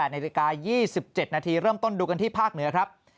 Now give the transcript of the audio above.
นาฬิกา๒๗นาทีเริ่มต้นดูกันที่ภาคเหนือครับ